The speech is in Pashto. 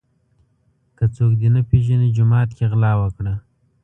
ـ که څوک دې نه پیژني جومات کې غلا وکړه.